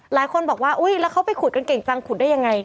หลายคนบอกว่าอุ๊ยแล้วเขาไปขุดกันเก่งจังขุดได้ยังไง